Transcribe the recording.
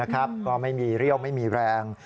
ก็ไม่มีเรี่ยวไม่มีแรง